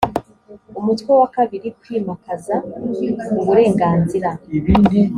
umutwe wa kabiri kwimakaza uburenganzira